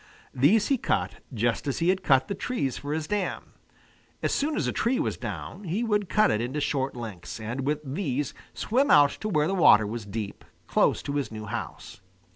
These he cut just as he had cut the trees for his dam. As soon as a tree was down, he would cut it into short lengths, and with these swim out to where the water was deep, close to his new house.